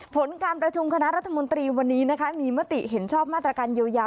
ผลการประชุมคณะรัฐมนตรีวันนี้นะคะมีมติเห็นชอบมาตรการเยียวยา